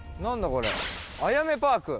これ「あやめパーク」。